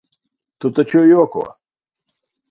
Tu taču joko?